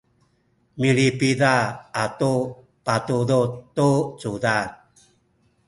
milipida atu patudud tu cudad